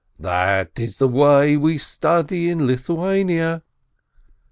"That is the way we study in Lithuania